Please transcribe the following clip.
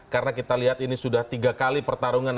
karena kita lihat ini sudah tiga kali pertarungan